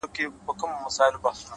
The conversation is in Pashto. د ژوندون ساه او مسيحا وړي څوك’